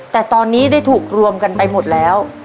แต่ตอนนี้ได้ถูกรวมกันไปหมดแล้ว